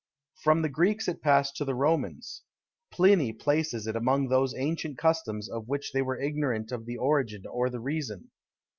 From the Greeks it passed to the Romans. Pliny places it among those ancient customs of which they were ignorant of the origin or the reason.